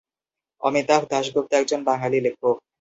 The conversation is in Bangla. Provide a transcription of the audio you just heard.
অমিতাভ দাশগুপ্ত একজন বাঙালি লেখক।